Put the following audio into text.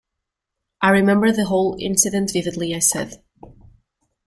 "I remember the whole incident vividly," I said.